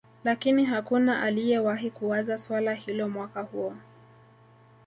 Lakini hakuna aliyewahi kuwaza suala hilo Mwaka huo